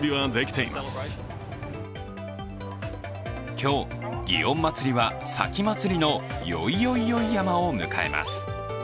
今日、祇園祭は前祭の宵々々山を迎えます。